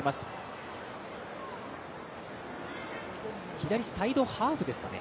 左サイドハーフですかね。